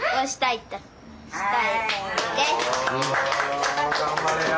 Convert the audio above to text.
・お頑張れよ。